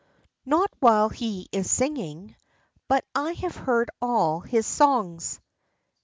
"Not while he is singing but I have heard all his songs."